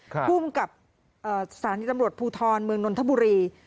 ภูมิกับสถานีตำรวจภูทรเมืองนนทบุรี